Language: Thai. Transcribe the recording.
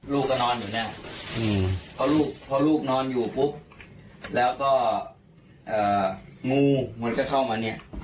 ลูกก็นอนอยู่เนี่ยเพราะลูกพอลูกนอนอยู่ปุ๊บแล้วก็งูเหมือนจะเข้ามาเนี่ย